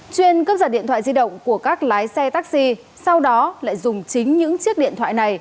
chuyên cướp giật điện thoại di động của các lái xe taxi sau đó lại dùng chính những chiếc điện thoại này